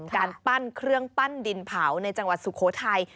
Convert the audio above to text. การปั้นเครื่องปั้นดินเผาในจังหวัดสุโขทัย